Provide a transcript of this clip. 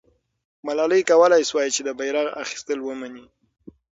ملالۍ کولای سوای چې د بیرغ اخیستل ومني.